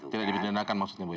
tidak dibenarkan maksudnya bu